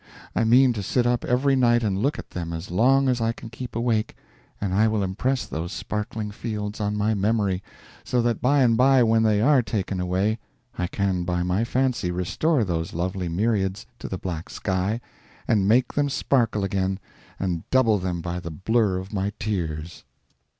I mean to sit up every night and look at them as long as I can keep awake; and I will impress those sparkling fields on my memory, so that by and by when they are taken away I can by my fancy restore those lovely myriads to the black sky and make them sparkle again, and double them by the blur of my tears.